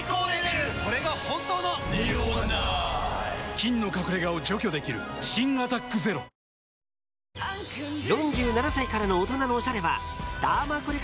菌の隠れ家を除去できる新「アタックＺＥＲＯ」「ダイアモンドだね」